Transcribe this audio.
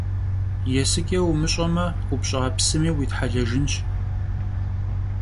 Yêsıç'e vumış'eme, 'Upş'a psımi vuithelejjınş.